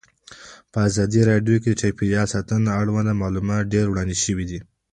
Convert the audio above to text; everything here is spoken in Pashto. په ازادي راډیو کې د چاپیریال ساتنه اړوند معلومات ډېر وړاندې شوي.